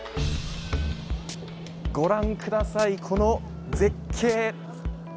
ご覧ください、この絶景。